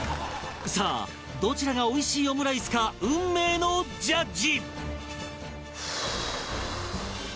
さあどちらがおいしいオムライスか運命のジャッジ